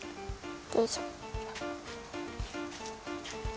よいしょ。